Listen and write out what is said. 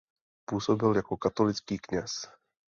Působil jako katolický kněz.